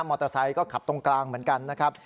อเตอร์ไซค์ก็ขับตรงกลางเหมือนกันนะครับ